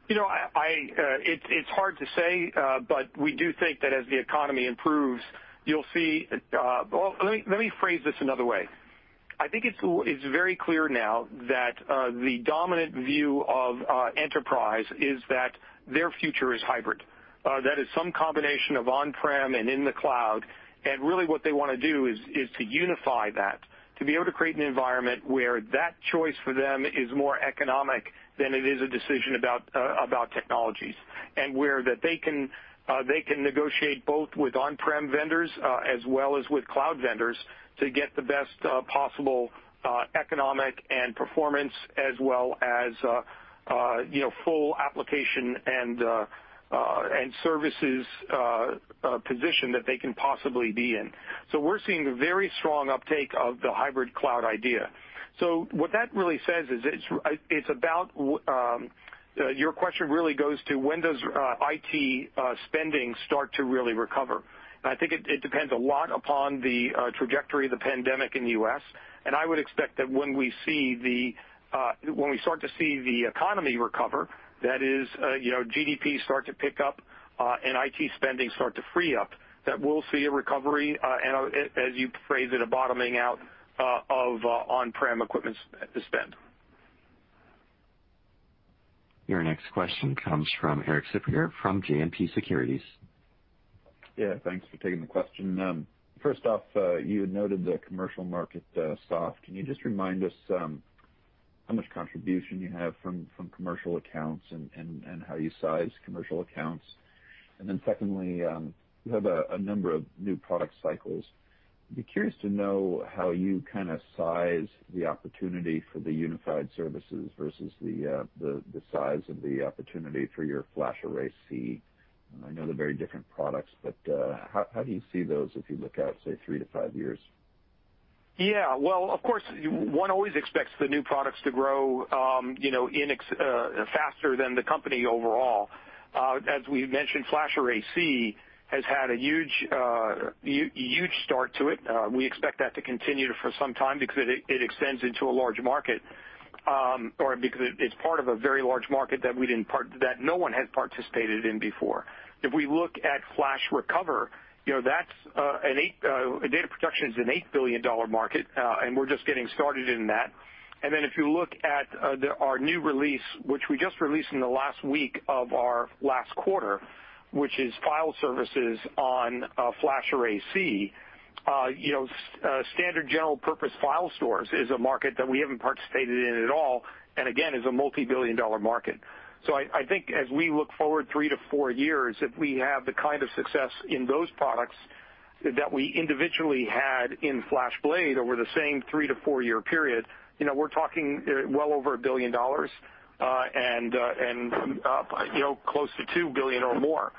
It's hard to say, but we do think that as the economy improves, you'll see. Let me phrase this another way. I think it's very clear now that the dominant view of enterprise is that their future is hybrid. That is some combination of on-prem and in the cloud. Really what they want to do is to unify that, to be able to create an environment where that choice for them is more economic than it is a decision about technologies. Where they can negotiate both with on-prem vendors as well as with cloud vendors to get the best possible economic and performance as well as full application and services position that they can possibly be in. We're seeing a very strong uptake of the hybrid cloud idea. What that really says is, your question really goes to when does IT spending start to really recover? I think it depends a lot upon the trajectory of the pandemic in the U.S., and I would expect that when we start to see the economy recover, that is, GDP start to pick up and IT spending start to free up, that we'll see a recovery, and as you phrased it, a bottoming out of on-prem equipment spend. Your next question comes from Erik Suppiger from JMP Securities. Thanks for taking the question. First off, you had noted the commercial market soft. Can you just remind us how much contribution you have from commercial accounts and how you size commercial accounts. Secondly, you have a number of new product cycles. I'd be curious to know how you size the opportunity for the unified services versus the size of the opportunity for your FlashArray//C. How do you see those if you look out, say, three to five years? Yeah. Well, of course, one always expects the new products to grow faster than the company overall. As we mentioned, FlashArray//C has had a huge start to it. We expect that to continue for some time because it extends into a large market, or because it's part of a very large market that no one has participated in before. If we look at FlashRecover, data protection is an $8 billion market, and we're just getting started in that. If you look at our new release, which we just released in the last week of our last quarter, which is file services on FlashArray//C, standard general purpose file storage is a market that we haven't participated in at all, and again, is a multi-billion dollar market. I think as we look forward three to four years, if we have the kind of success in those products that we individually had in FlashBlade over the same three to four-year period, we're talking well over $1 billion, and close to $2 billion or more.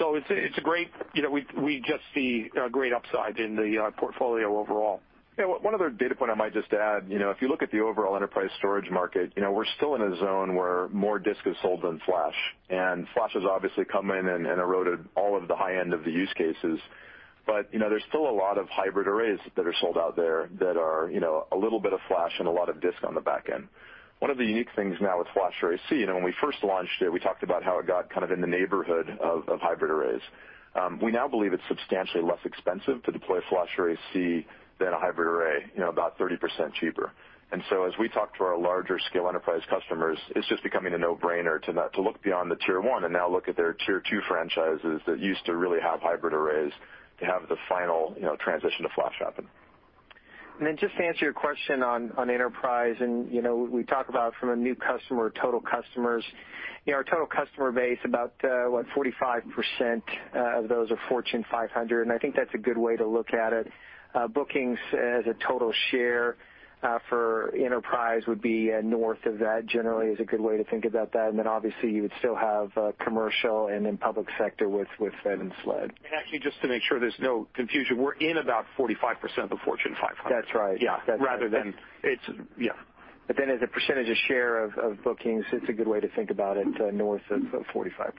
We just see a great upside in the portfolio overall. Yeah. One other data point I might just add, if you look at the overall enterprise storage market, we're still in a zone where more disk is sold than flash. Flash has obviously come in and eroded all of the high end of the use cases. There's still a lot of hybrid arrays that are sold out there that are a little bit of flash and a lot of disk on the back end. One of the unique things now with FlashArray//C, when we first launched it, we talked about how it got in the neighborhood of hybrid arrays. We now believe it's substantially less expensive to deploy FlashArray//C than a hybrid array, about 30% cheaper. As we talk to our larger scale enterprise customers, it's just becoming a no-brainer to look beyond the Tier 1 and now look at their Tier 2 franchises that used to really have hybrid arrays to have the final transition to flash happen. Just to answer your question on enterprise. We talk about from a new customer, total customers, our total customer base, about, what, 45% of those are Fortune 500. I think that's a good way to look at it. Bookings as a total share for enterprise would be north of that, generally is a good way to think about that. Obviously, you would still have commercial and then public sector with Fed and SLED. Actually, just to make sure there's no confusion, we're in about 45% of the Fortune 500. That's right. Yeah. Yeah. As a percentage of share of bookings, it's a good way to think about it, north of 45%.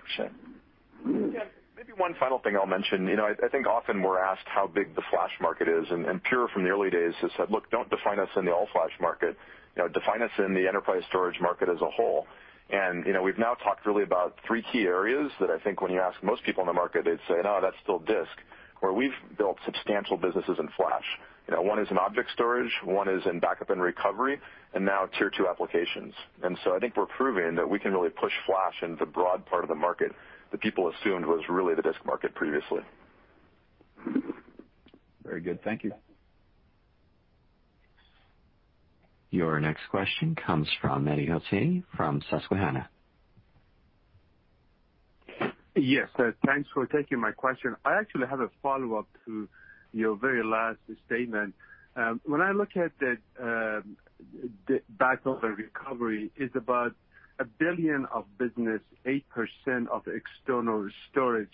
Yeah. Maybe one final thing I'll mention. I think often we're asked how big the flash market is, Pure from the early days has said, "Look, don't define us in the all-flash market." Define us in the enterprise storage market as a whole. We've now talked really about three key areas that I think when you ask most people in the market, they'd say, "No, that's still disk." Where we've built substantial businesses in flash. One is in object storage, one is in backup and recovery, and now Tier 2 applications. So I think we're proving that we can really push flash into broad part of the market that people assumed was really the disk market previously. Very good. Thank you. Your next question comes from Mehdi Hosseini from Susquehanna. Yes. Thanks for taking my question. I actually have a follow-up to your very last statement. When I look at the backup and recovery, it's about $1 billion of business, 8% of external storage.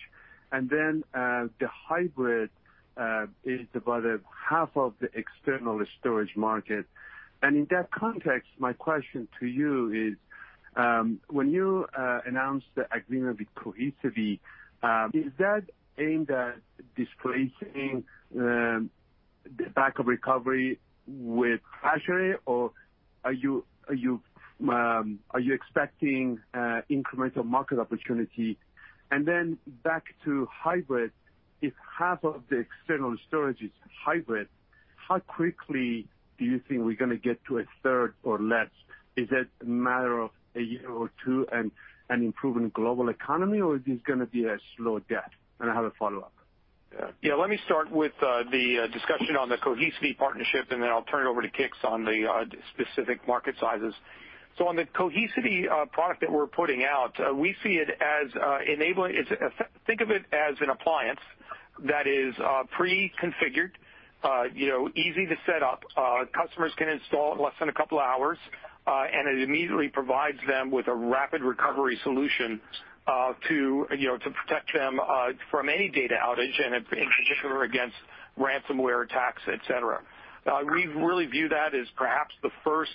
The hybrid is about a half of the external storage market. In that context, my question to you is, when you announced the agreement with Cohesity, is that aimed at displacing the backup recovery with FlashArray, or are you expecting incremental market opportunity? Back to hybrid, if half of the external storage is hybrid, how quickly do you think we're going to get to a third or less? Is that a matter of a year or two and improving global economy, or is this going to be a slow death? I have a follow-up. Yeah. Let me start with the discussion on the Cohesity partnership. I'll turn it over to Kix on the specific market sizes. On the Cohesity product that we're putting out, we see it as enabling. Think of it as an appliance that is pre-configured, easy to set up. Customers can install it in less than a couple of hours, and it immediately provides them with a rapid recovery solution to protect them from any data outage, and in particular against ransomware attacks, et cetera. We really view that as perhaps the first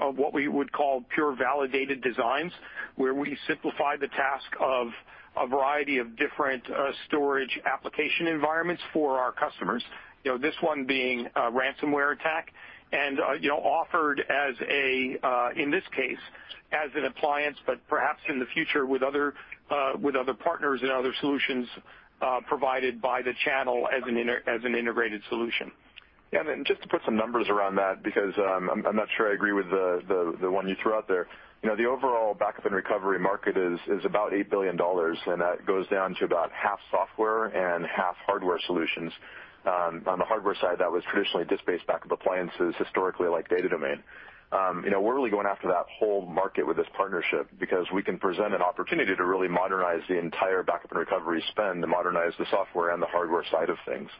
of what we would call Pure Validated Designs, where we simplify the task of a variety of different storage application environments for our customers. This one being a ransomware attack, and offered, in this case, as an appliance, but perhaps in the future with other partners and other solutions provided by the channel as an integrated solution. Yeah. Just to put some numbers around that, because I'm not sure I agree with the one you threw out there. The overall backup and recovery market is about $8 billion, and that goes down to about half software and half hardware solutions. On the hardware side, that was traditionally disk-based backup appliances, historically like Data Domain. We're really going after that whole market with this partnership because we can present an opportunity to really modernize the entire backup and recovery spend to modernize the software and the hardware side of things.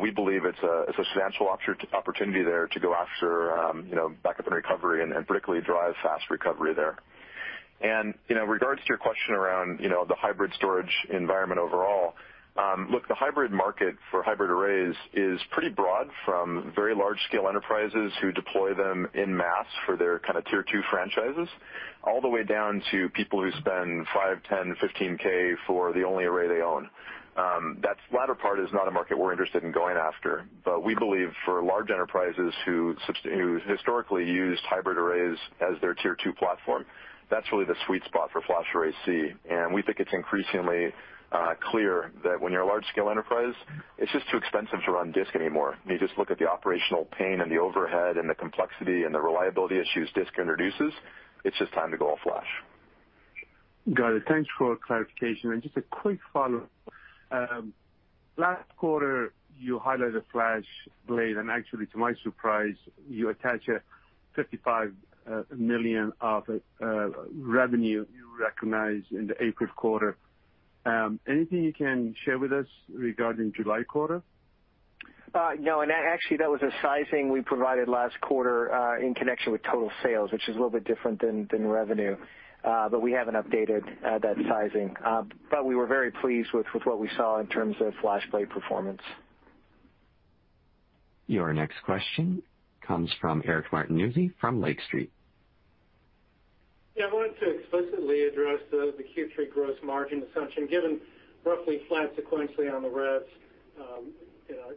We believe it's a substantial opportunity there to go after backup and recovery, and particularly drive fast recovery there. In regards to your question around the hybrid storage environment overall, look, the hybrid market for hybrid arrays is pretty broad, from very large-scale enterprises who deploy them in mass for their Tier 2 franchises, all the way down to people who spend $5K, $10K, $15K for the only array they own. That latter part is not a market we're interested in going after. We believe for large enterprises who historically used hybrid arrays as their Tier 2 platform, that's really the sweet spot for FlashArray//C, and we think it's increasingly clear that when you're a large-scale enterprise, it's just too expensive to run disk anymore. You just look at the operational pain and the overhead and the complexity and the reliability issues disk introduces, it's just time to go all flash. Got it. Thanks for the clarification. Just a quick follow-up. Last quarter, you highlighted FlashBlade, and actually, to my surprise, you attach a $55 million of revenue you recognized in the April quarter. Anything you can share with us regarding July quarter? No, actually, that was a sizing we provided last quarter in connection with total sales, which is a little bit different than revenue. We haven't updated that sizing. We were very pleased with what we saw in terms of FlashBlade performance. Your next question comes from Eric Martinuzzi from Lake Street. Yeah. I wanted to explicitly address the Q3 gross margin assumption, given roughly flat sequentially on the rest.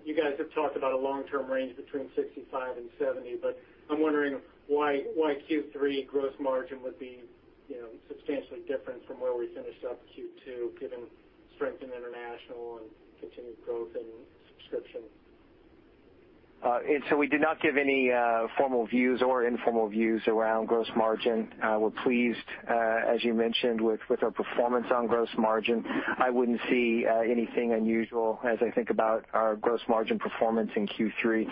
You guys have talked about a long-term range between 65% and 70%, but I'm wondering why Q3 gross margin would be substantially different from where we finished up Q2, given strength in international and continued growth in subscription. We did not give any formal views or informal views around gross margin. We're pleased, as you mentioned, with our performance on gross margin. I wouldn't see anything unusual as I think about our gross margin performance in Q3.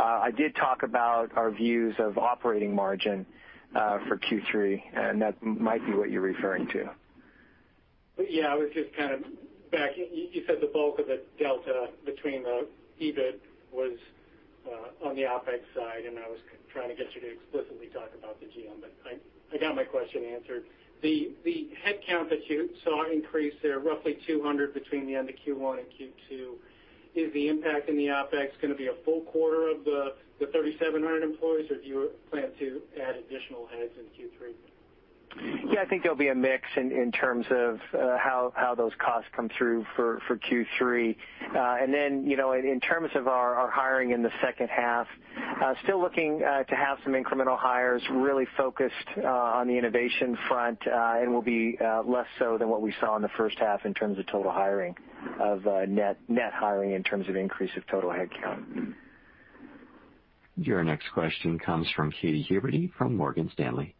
I did talk about our views of operating margin for Q3, and that might be what you're referring to. I was just kind of back. You said the bulk of the delta between the EBIT was on the OpEx side, and I was trying to get you to explicitly talk about the GM, but I got my question answered. The headcount that you saw increase there, roughly 200 between the end of Q1 and Q2, is the impact in the OpEx going to be a full quarter of the 3,700 employees, or do you plan to add additional heads in Q3? I think there'll be a mix in terms of how those costs come through for Q3. In terms of our hiring in the second half, still looking to have some incremental hires really focused on the innovation front, and will be less so than what we saw in the first half in terms of total hiring of net hiring in terms of increase of total headcount. Your next question comes from Katy Huberty from Morgan Stanley.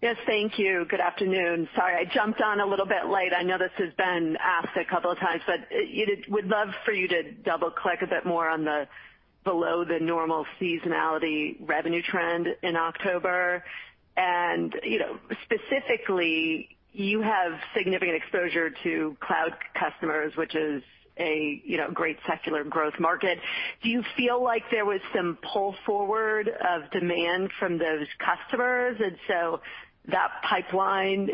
Yes, thank you. Good afternoon. Sorry, I jumped on a little bit late. I know this has been asked a couple of times, but would love for you to double-click a bit more on the below the normal seasonality revenue trend in October. Specifically, you have significant exposure to cloud customers, which is a great secular growth market. Do you feel like there was some pull forward of demand from those customers, and so that pipeline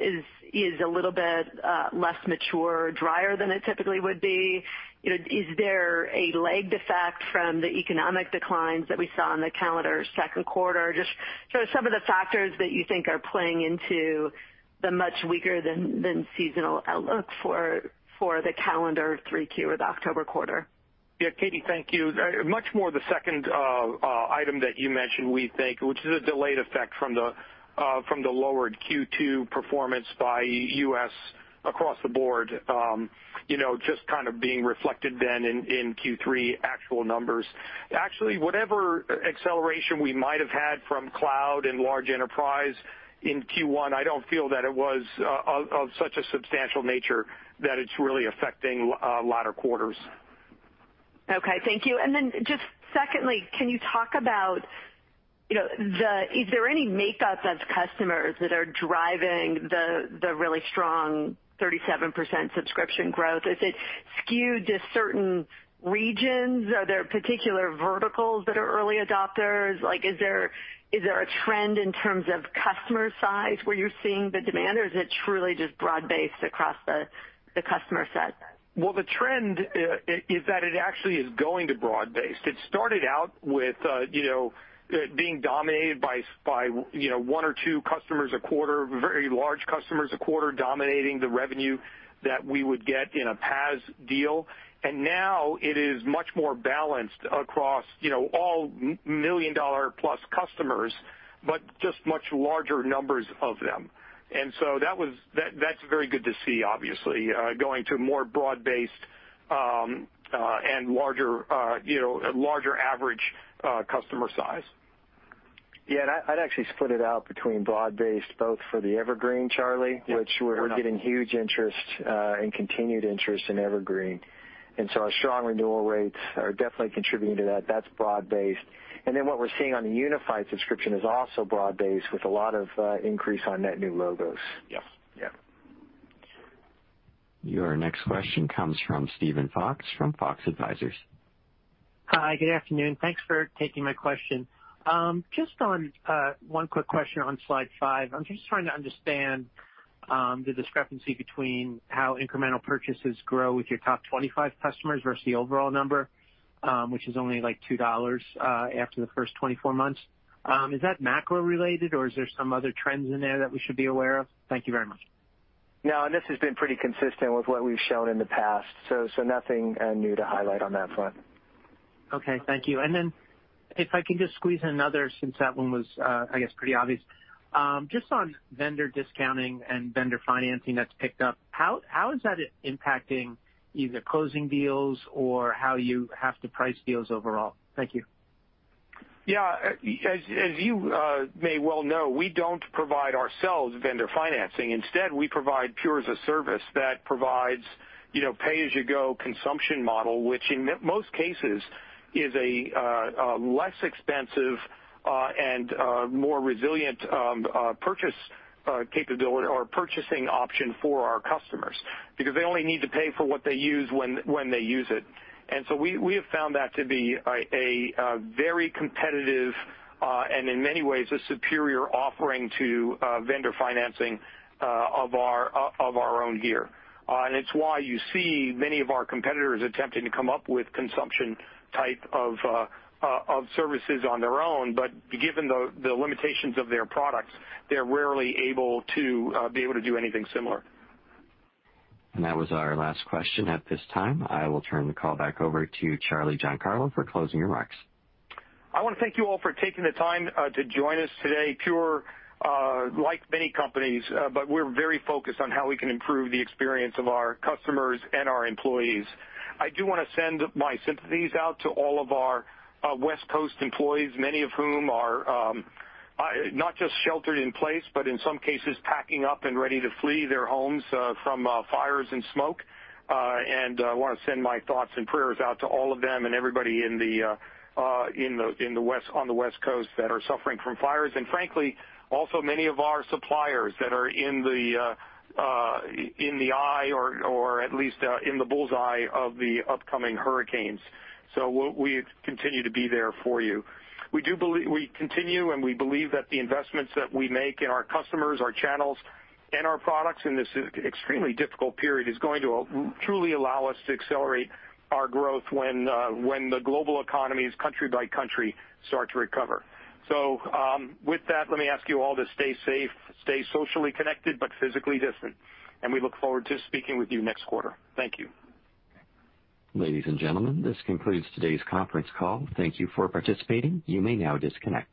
is a little bit less mature, drier than it typically would be? Is there a lagged effect from the economic declines that we saw in the calendar's second quarter? Just sort of some of the factors that you think are playing into the much weaker than seasonal outlook for the calendar 3Q or the October quarter. Yeah, Katy, thank you. Much more the second item that you mentioned, we think, which is a delayed effect from the lowered Q2 performance by U.S. across the board, just kind of being reflected then in Q3 actual numbers. Actually, whatever acceleration we might have had from cloud and large enterprise in Q1, I don't feel that it was of such a substantial nature that it's really affecting latter quarters. Okay. Thank you. Just secondly, can you talk about, is there any makeup of customers that are driving the really strong 37% subscription growth? Is it skewed to certain regions? Are there particular verticals that are early adopters? Is there a trend in terms of customer size where you're seeing the demand, or is it truly just broad-based across the customer set? Well, the trend is that it actually is going to broad-based. It started out with being dominated by one or two customers a quarter, very large customers a quarter dominating the revenue that we would get in a PAS deal. Now it is much more balanced across all million-dollar-plus customers, but just much larger numbers of them. That's very good to see, obviously, going to more broad-based and larger average customer size. Yeah, I'd actually split it out between broad-based, both for the Evergreen. Charlie. We're getting huge interest, and continued interest in Evergreen. Our strong renewal rates are definitely contributing to that. That's broad-based. What we're seeing on the unified subscription is also broad-based with a lot of increase on net new logos. Yes. Yeah. Your next question comes from Steven Fox from Fox Advisors. Hi, good afternoon. Thanks for taking my question. Just one quick question on slide five. I'm just trying to understand, the discrepancy between how incremental purchases grow with your top 25 customers versus the overall number, which is only like $2 after the first 24 months. Is that macro-related, or is there some other trends in there that we should be aware of? Thank you very much. No. This has been pretty consistent with what we've shown in the past. Nothing new to highlight on that front. Okay. Thank you. If I can just squeeze in another since that one was, I guess pretty obvious. Just on vendor discounting and vendor financing that's picked up. How is that impacting either closing deals or how you have to price deals overall? Thank you. As you may well know, we don't provide ourselves vendor financing. We provide Pure-as-a-Service that provides pay-as-you-go consumption model, which in most cases is a less expensive, and more resilient purchase capability or purchasing option for our customers because they only need to pay for what they use when they use it. We have found that to be a very competitive, and in many ways, a superior offering to vendor financing of our own gear. It's why you see many of our competitors attempting to come up with consumption type of services on their own. Given the limitations of their products, they're rarely able to do anything similar. That was our last question at this time. I will turn the call back over to you, Charlie Giancarlo, for closing remarks. I want to thank you all for taking the time to join us today. Pure, like many companies, we're very focused on how we can improve the experience of our customers and our employees. I do want to send my sympathies out to all of our West Coast employees, many of whom are not just sheltered in place, but in some cases, packing up and ready to flee their homes from fires and smoke. I want to send my thoughts and prayers out to all of them and everybody on the West Coast that are suffering from fires, and frankly, also many of our suppliers that are in the eye or at least in the bullseye of the upcoming hurricanes. We continue to be there for you. We continue, we believe that the investments that we make in our customers, our channels, and our products in this extremely difficult period is going to truly allow us to accelerate our growth when the global economies, country by country, start to recover. With that, let me ask you all to stay safe, stay socially connected, but physically distant, and we look forward to speaking with you next quarter. Thank you. Ladies and gentlemen, this concludes today's conference call. Thank you for participating. You may now disconnect.